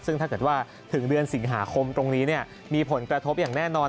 ซึ่งถ้าเกิดว่าถึงเดือนสิงหาคมตรงนี้มีผลกระทบอย่างแน่นอน